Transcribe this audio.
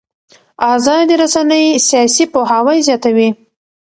ازادې رسنۍ سیاسي پوهاوی زیاتوي